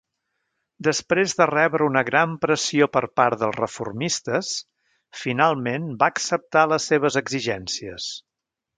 Després de rebre una gran pressió per part dels reformistes, finalment va acceptar les seves exigències.